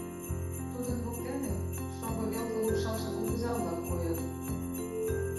Тудын воктене шоҥго велке лупшалтше кугыза-влак койыт.